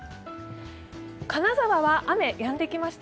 金沢は雨がやんできました。